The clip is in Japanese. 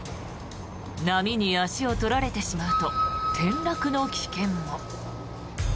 波に足を取られてしまうと転落の危険も。